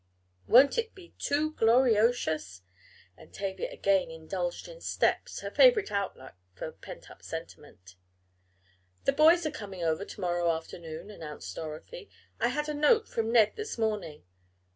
Won't it be too gloriotious?" and Tavia again indulged in "steps," her favorite outlet for pent up sentiment. "The boys are coming over to morrow afternoon," announced Dorothy, "I had a note from Ned this morning."